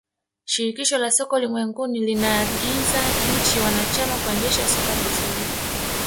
shirikisho la soka ulimwenguni linaagiza nchi wanachama kuendesha soka vizuri